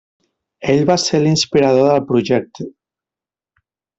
Ell va ser l'inspirador del projecte.